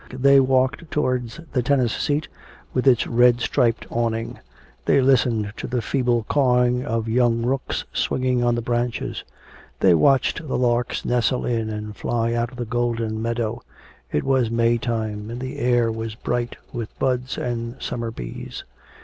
They walked towards the tennis seat, with its red striped awning. They listened to the feeble cawing of young rooks swinging on the branches. They watched the larks nestle in and fly out of the golden meadow. It was May time, and the air was bright with buds and summer bees.